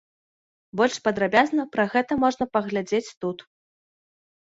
Больш падрабязна пра гэта можна паглядзець тут.